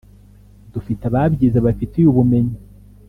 dufite ababyize babifitiye ubumenyi